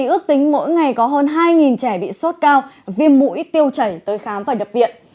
ước tính mỗi ngày có hơn hai trẻ bị sốt cao viêm mũi tiêu chảy tới khám và đập viện